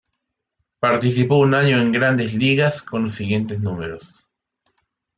Participó un año en Grandes Ligas con los siguientes números.